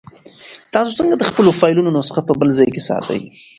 تاسو څنګه د خپلو فایلونو نسخه په بل ځای کې ساتئ؟